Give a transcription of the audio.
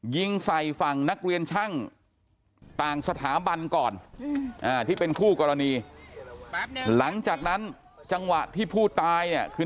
ยิงใส่ฝั่งนักเรียนช่างต่างสถาบันก่อนที่เป็นคู่กรณีหลังจากนั้นจังหวะที่ผู้ตายเนี่ยคือ